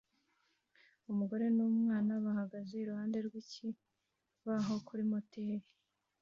Umugore numwana bahagaze iruhande rwikibaho kuri moteri